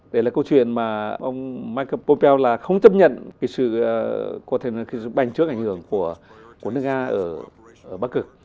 đấy là câu chuyện mà ông michael popel là không chấp nhận sự bành trướng ảnh hưởng của nước nga ở bắt cực